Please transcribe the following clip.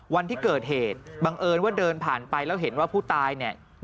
วันที่เกิดเหตุบังเอิญว่าเดินผ่านไปแล้วเห็นว่าผู้ตายเนี่ย